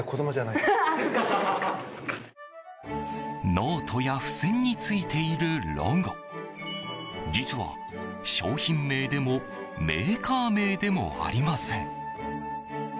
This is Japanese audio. ノートや付箋についているロゴ実は商品名でもメーカー名でもありません。